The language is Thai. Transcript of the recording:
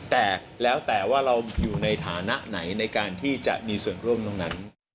แต่แล้วแต่ว่าเราอยู่ในฐานะไหนในการที่จะมีส่วนร่วมตรงนั้น